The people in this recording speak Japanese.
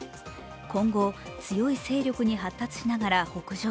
今後、強い勢力に発達しながら北上。